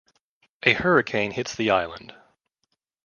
A hurricane hits the island.